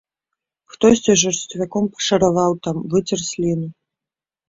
Хтосьці жарсцвяком пашараваў там, выцер сліну.